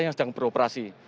yang sedang beroperasi